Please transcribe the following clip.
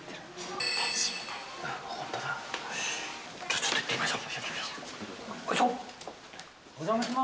ちょっと行ってみましょう。